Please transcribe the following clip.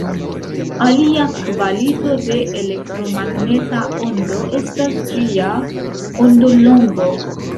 Alia kvalito de elektromagneta ondo estas ĝia ondolongo.